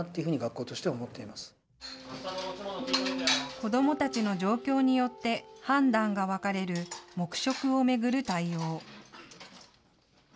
子どもたちの状況によって判断が分かれる黙食を巡る対応。